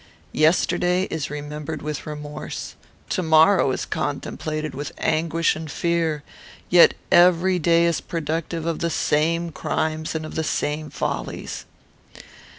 Yesterday is remembered with remorse. To morrow is contemplated with anguish and fear; yet every day is productive of the same crimes and of the same follies.